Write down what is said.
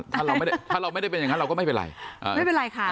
ถ้าเราไม่ได้เป็นอย่างนั้นเราก็ไม่เป็นไรไม่เป็นไรค่ะ